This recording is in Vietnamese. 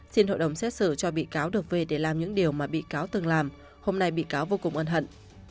xin hội đồng xét xử cho bị cáo được về để làm những điều mà bị cáo từng làm hôm nay bị cáo vô cùng ân hận